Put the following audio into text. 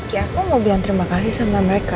ya aku mau bilang terima kasih sama mereka